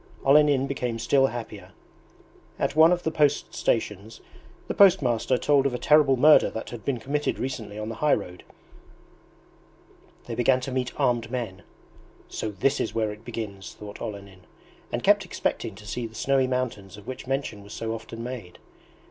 Olenin became still happier. At one of the post stations the post master told of a terrible murder that had been committed recently on the high road. They began to meet armed men. "So this is where it begins!" thought Olenin, and kept expecting to see the snowy mountains of which mention was so often made.